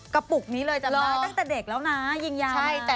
กระปุกนี้เลยจำได้ตั้งแต่เด็กเสร็จแล้วนะยิงยามา